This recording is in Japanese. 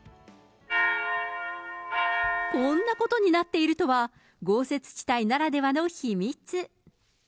こんなことになっているとは、豪雪地帯ならではの秘密。